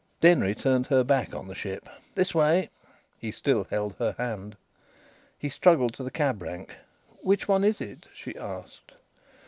Denry turned her back on the ship. "This way." He still held her hand. He struggled to the cab rank. "Which one is it?" she asked.